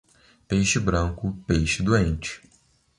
Peixe branco, peixe doente.